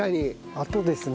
あとですね